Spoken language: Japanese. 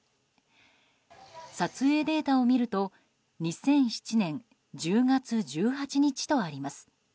撮影データを見ると２００７年１０月１８日とあります。